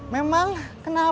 memang kenapa bos